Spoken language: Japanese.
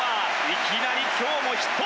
いきなり今日もヒット！